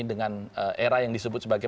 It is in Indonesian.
dengan era yang disebut sebagai